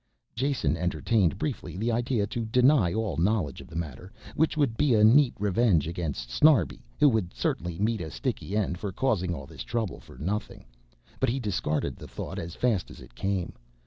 Jason entertained briefly the idea to deny all knowledge of the matter, which would be a neat revenge against Snarbi who would certainly meet a sticky end for causing all this trouble for nothing, but he discarded the thought as fast as it came.